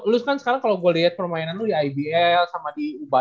lu kan sekarang kalau gue liat permainan lu ya ibl sama di uba